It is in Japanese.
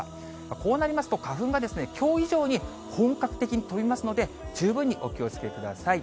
こうなりますと、花粉がきょう以上に本格的に飛びますので、十分にお気をつけください。